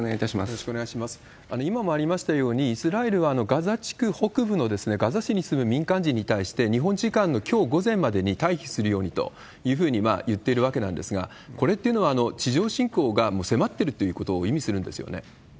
今もありましたように、イスラエルはガザ地区北部のガザ市に住む民間人に対して、日本時間のきょう午前までに退避するようにというふうに言っているわけなんですが、これっていうのは、地上侵攻がもう迫ってるということを意味するんですよね？